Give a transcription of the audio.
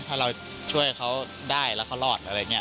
ถ้าเราช่วยเขาได้แล้วเขารอดอะไรอย่างนี้